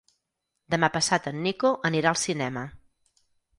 Demà passat en Nico anirà al cinema.